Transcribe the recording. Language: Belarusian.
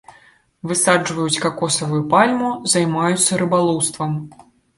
Высаджваюць какосавую пальму, займаюцца рыбалоўствам.